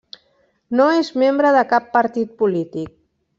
No és membre de cap partit polític.